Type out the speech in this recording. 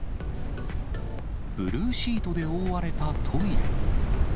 ブルーシートで覆われたトイレ。